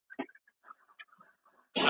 ایا جاپان د جرمني غوندې دی؟